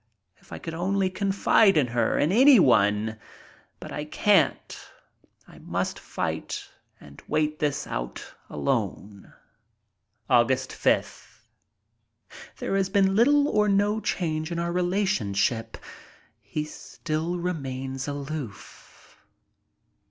If I could only confide in her! In anyone! But I can't. I must fight and wait this out alone. Aug. 5th. There has been little or no change in our relationship. He still remains aloof.